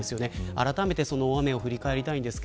あらためて、その大雨を振り返りたいと思います。